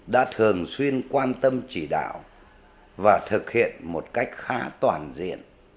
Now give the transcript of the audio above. đã thường xuyên quan tâm chỉ đạo và thực hiện một cách khá toàn diện